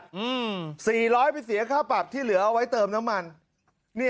อืมสี่ร้อยไปเสียค่าปรับที่เหลือเอาไว้เติมน้ำมันนี่